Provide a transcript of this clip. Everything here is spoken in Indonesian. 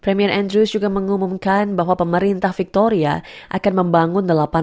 premier andrews juga mengumumkan bahwa pemerintah victoria akan membangun delapan ratus ribu rumah baru